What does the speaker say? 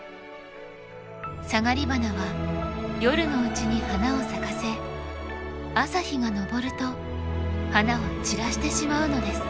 サガリバナは夜のうちに花を咲かせ朝日が昇ると花を散らしてしまうのです。